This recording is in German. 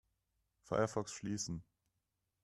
Firefox schließen.